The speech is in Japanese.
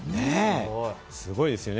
すごいですよね。